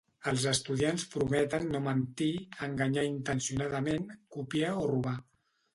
Els estudiants prometen no mentir, enganyar intencionadament, copiar o robar.